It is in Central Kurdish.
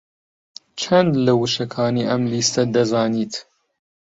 چەند لە وشەکانی ئەم لیستە دەزانیت؟